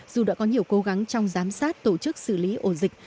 dù đã có nhiều cố gắng trong giám sát tổ chức xử lý ổ dịch